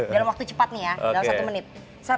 dalam waktu cepat nih ya dalam satu menit